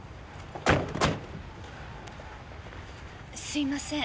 すいません。